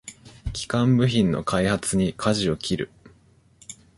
基幹部品の開発にかじを切る